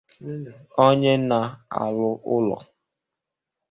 Onye na-alụ ụlọ